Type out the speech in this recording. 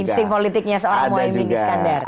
insting politiknya seorang muay minggi sekadar